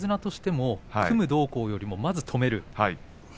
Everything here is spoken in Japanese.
組むどうこうよりもまず止める。